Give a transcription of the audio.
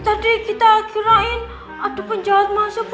tadi kita kirain ada penjahat masuk